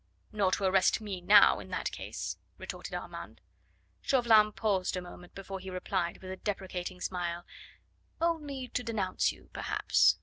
"Nor to arrest me now, in that case!" retorted Armand. Chauvelin paused a moment before he replied with a deprecating smile: "Only to denounce you, perhaps.